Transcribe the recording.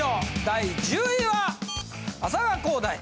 第１０位は！